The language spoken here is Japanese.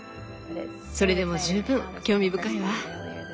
それでも十分興味深いわ。